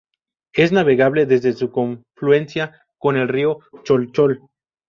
Es navegable desde su confluencia con el río Cholchol.